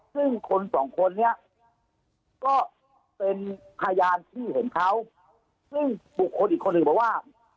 ซึ่งคนสองคนนี้ก็เป็นพยานที่เห็นเขาซึ่งบุคคลอีกคนหนึ่งบอกว่า